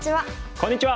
こんにちは。